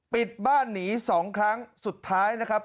ปิดบ้านหนี๒ครั้งสุดท้ายนะครับ